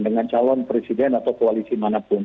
dengan calon presiden atau koalisi manapun